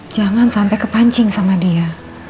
jangan sampai kepancing sama dia